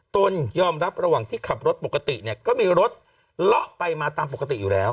ตนยอมรับระหว่างที่ขับรถปกติเนี่ยก็มีรถเลาะไปมาตามปกติอยู่แล้ว